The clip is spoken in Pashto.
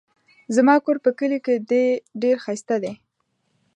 زما کور په کلي کې دی ډېر ښايسته دی